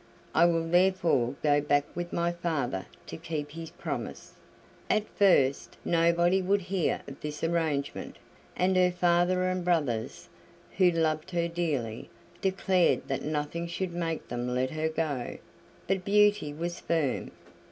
I will therefore go back with my father to keep his promise." At first nobody would hear of this arrangement, and her father and brothers, who loved her dearly, declared that nothing should make them let her go; but Beauty was firm.